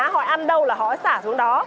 họ ăn đâu là họ sẽ xả xuống đó